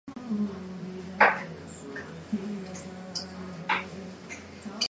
僕はそんな雑誌を見つけると、視線を外し、雑誌を脇にどけた